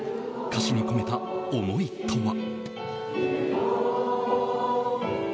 歌詞に込めた思いとは。